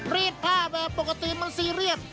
รีดผ้าแบบปกติมันซีเรียส